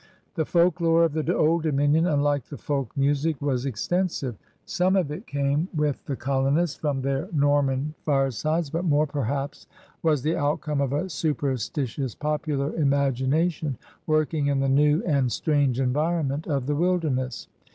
The folklore of the old dominion, unlike the folk music, was extensive. Some of it came with the colonists from their Norman firesides, but more, perhaps, was the outcome of a superstitious popular imagination working in the new and .strange ^ivironment of the wilderness.